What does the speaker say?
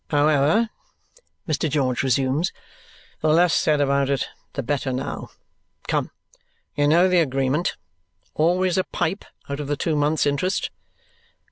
"However," Mr. George resumes, "the less said about it, the better now. Come! You know the agreement. Always a pipe out of the two months' interest!